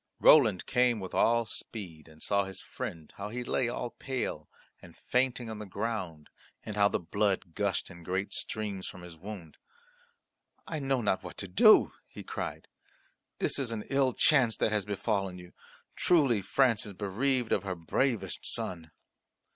Roland came with all speed, and saw his friend, how he lay all pale and fainting on the ground and how the blood gushed in great streams from his wound. "I know not what to do," he cried. "This is an ill chance that has befallen you. Truly France is bereaved of her bravest son."